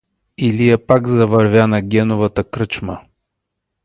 Илия пак завървя на Геновата кръчма.